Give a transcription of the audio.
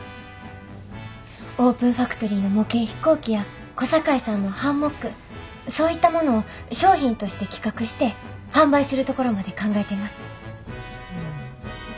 オープンファクトリーの模型飛行機や小堺さんのハンモックそういったものを商品として企画して販売するところまで考えてます。